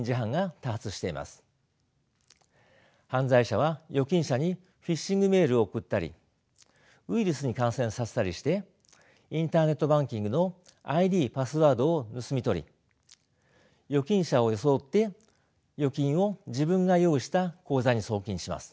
犯罪者は預金者にフィッシングメールを送ったりウイルスに感染させたりしてインターネットバンキングのＩＤパスワードを盗み取り預金者を装って預金を自分が用意した口座に送金します。